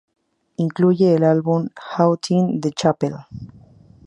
Incluye el álbum "Haunting the Chapel".